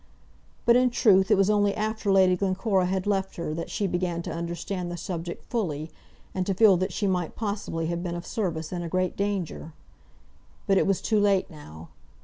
But, in truth, it was only after Lady Glencora had left her that she began to understand the subject fully, and to feel that she might possibly have been of service in a great danger. But it was too late now.